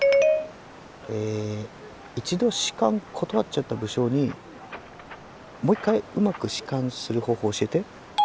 え一度仕官断っちゃった武将にもう一回うまく仕官する方法を教えて。